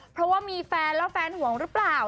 เพราะว่ามีแฟนแล้วแฟนห่วงหรือเปล่า